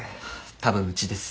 多分うちです。